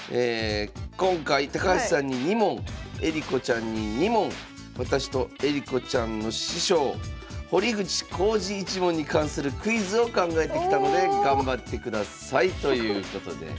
「今回高橋さんに２問恵梨子ちゃんに２問私と恵梨子ちゃんの師匠堀口弘治一門に関するクイズを考えてきたので頑張ってください」ということで。